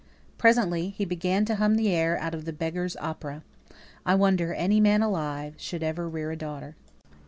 Presently he began to hum the air out of the "Beggar's Opera" I wonder any man alive Should ever rear a daughter.